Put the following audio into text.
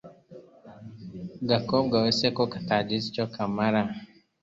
gakobwa we se katagize icyo kamara